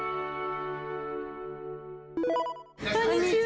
こんにちは！